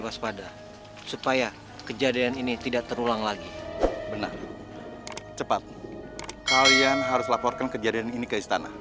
waspada supaya kejadian ini tidak terulang lagi benar cepat kalian harus laporkan kejadian ini ke istana